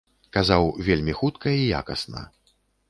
Казаў, вельмі хутка і якасна.